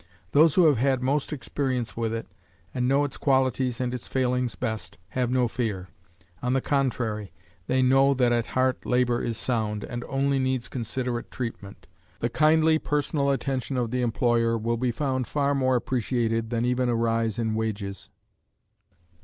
Those who have had most experience with it, and know its qualities and its failings best, have no fear; on the contrary, they know that at heart labor is sound, and only needs considerate treatment. The kindly personal attention of the employer will be found far more appreciated than even a rise in wages.